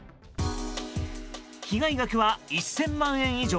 被害額は１０００万円以上。